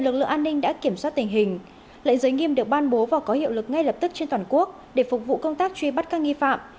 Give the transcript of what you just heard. lệnh giới nghiêm được ban bố và có hiệu lực ngay lập tức trên toàn quốc để phục vụ công tác truy bắt các nghi phạm